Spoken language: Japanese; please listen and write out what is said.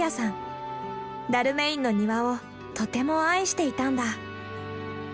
ダルメインの庭をとても愛していたんだ。